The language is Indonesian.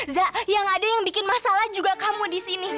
za yang ada yang bikin masalah juga kamu disini